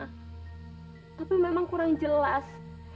tapi memang kurang jelas